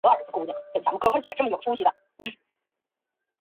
担任江苏宿迁县知县。